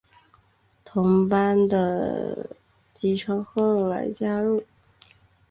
同班的吉川后来加入。